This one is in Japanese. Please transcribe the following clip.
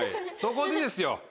そこでですよ